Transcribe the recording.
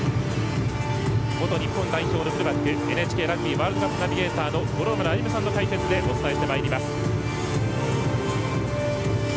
元日本代表のフルバックＮＨＫラグビーワールドカップナビゲーターの五郎丸歩さんの解説でお伝えしてまいります。